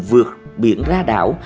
vượt biển ra đảo